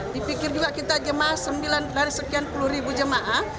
dipikir juga kita jemaah dari sekian puluh ribu jemaah